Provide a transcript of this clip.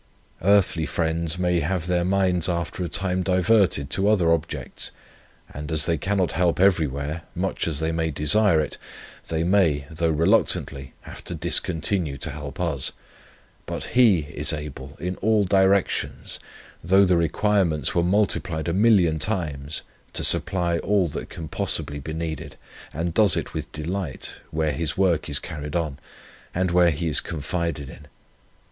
Earthly friends may have their minds after a time diverted to other objects, and, as they cannot help everywhere, much as they may desire it, they may, though reluctantly, have to discontinue to help us; but He is able, in all directions, though the requirements were multiplied a million times, to supply all that can possibly be needed, and does it with delight, where His work is carried on, and where He is confided in.